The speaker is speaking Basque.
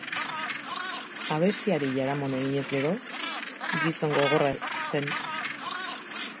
Abestiari jaramon eginez gero, gizon gogorra zen.